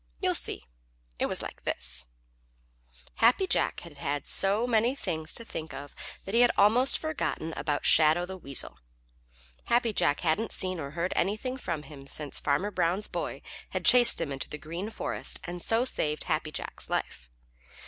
You see, it was like this: Happy Jack had had so many things to think of that he had almost forgotten about Shadow the Weasel. Happy Jack hadn't seen or heard anything of him since Farmer Brown's boy had chased him into the Green Forest and so saved Happy Jack's life.